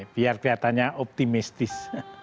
biar kelihatannya optimistis